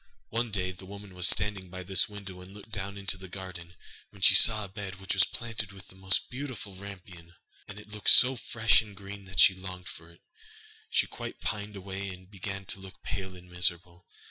One day the woman was standing by this window and looking down into the garden, when she saw a bed which was planted with the most beautiful rampion (rapunzel), and it looked so fresh and green that she longed for it, she quite pined away, and began to look pale and miserable.